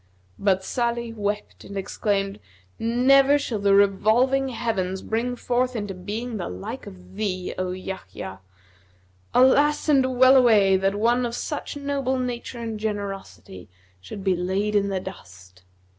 But Salih wept and exclaimed, 'Never shall the revolving heavens bring forth into being the like of thee, O Yahya! Alas, and well away, that one of such noble nature and generosity should be laid in the dust!'